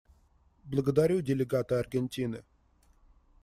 Благодарю делегата Аргентины.